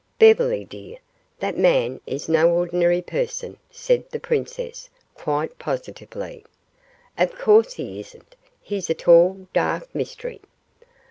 "Beverly, dear, that man is no ordinary person," said the princess, quite positively. "Of course he isn't. He's a tall, dark mystery."